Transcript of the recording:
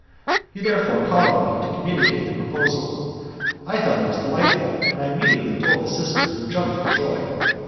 He therefore called on me to communicate the proposal; I thought it was delightful, and I immediately told the sister, who jumped for joy.